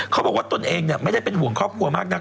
เขาบอกว่าตัวเองเนี่ยไม่ได้เป็นห่วงครอบครัวมากนัก